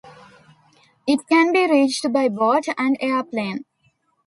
It can be reached by boat and airplane.